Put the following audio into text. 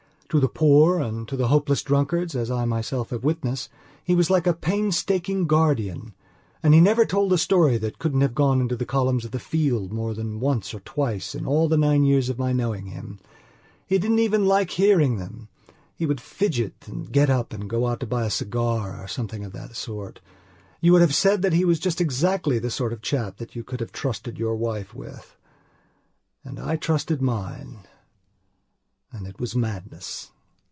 To the poor and to hopeless drunkards, as I myself have witnessed, he was like a painstaking guardian. And he never told a story that couldn't have gone into the columns of the Field more than once or twice in all the nine years of my knowing him. He didn't even like hearing them; he would fidget and get up and go out to buy a cigar or something of that sort. You would have said that he was just exactly the sort of chap that you could have trusted your wife with. And I trusted mine and it was madness.